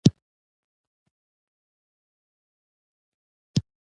زما تشه کوټه، ما باندې خندیږې